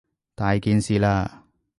大件事喇！